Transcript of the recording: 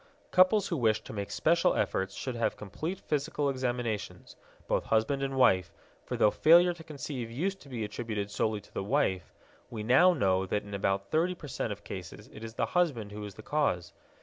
Couples who wish to make special efforts should have complete physical examinations, both husband and wife, for though failure to conceive used to be attributed solely to the wife, we now know that in about thirty percent of cases it is the husband who is the cause.